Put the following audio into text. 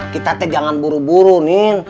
kita jangan buru buru nien